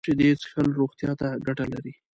شیدې څښل روغتیا ته ګټه لري